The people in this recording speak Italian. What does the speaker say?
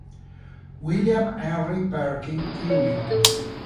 William Henry Perkin, Jr.